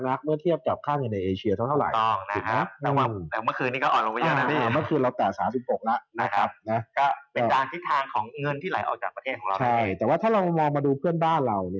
แต่ว่าถ้าเรามองมาดูเพื่อนบ้านเรา